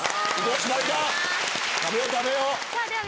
食べよう食べよう！